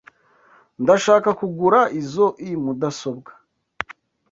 Ndashaka kugura izoi mudasobwa.